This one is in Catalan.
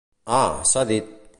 A... s'ha dit!